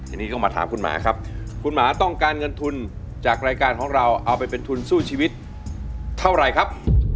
ทีนี้ก็มาถามคุณหมาครับคุณหมาต้องการเงินทุนจากรายการของเราเอาไปเป็นทุนสู้ชีวิตเท่าไหร่ครับ